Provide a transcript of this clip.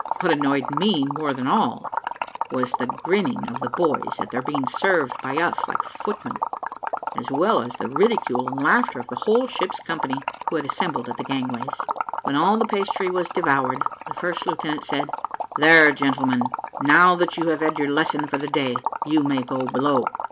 What annoyed me more than all, was the grinning of the boys at their being served by us like footmen, as well as the ridicule and laughter of the whole ship's company, who had assembled at the gangways. When all the pastry was devoured, the first lieutenant said, "There, gentlemen, now that you have had your lesson for the day, you may go below."